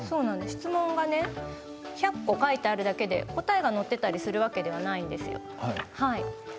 質問が１００個書いてあるだけで答えが載っていたりするわけではないんですよ。